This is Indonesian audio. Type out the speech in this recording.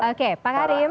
oke pak karim